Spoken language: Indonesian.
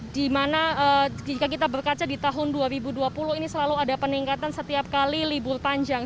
di mana jika kita berkaca di tahun dua ribu dua puluh ini selalu ada peningkatan setiap kali libur panjang